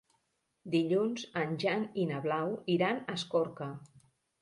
Dilluns en Jan i na Blau iran a Escorca.